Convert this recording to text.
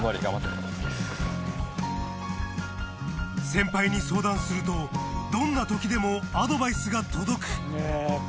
先輩に相談するとどんな時でもアドバイスが届くええ。